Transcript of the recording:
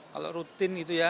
kalau rutin gitu ya